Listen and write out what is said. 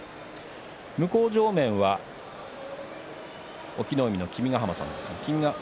向正面は隠岐の海の君ヶ濱さんです。